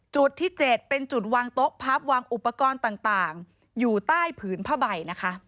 จุดที่๗เป็นจุดวางโต๊ะพับวางอุปกรณ์ต่างอยู่ใต้ผืนผ้าใบนะคะ